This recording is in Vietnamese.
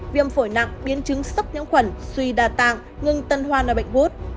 viêm phổi nặng biến chứng sốc nhiễm khuẩn suy đa tạng ngưng tân hoa nòi bệnh vút